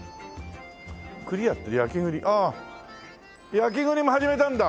焼き栗も始めたんだ？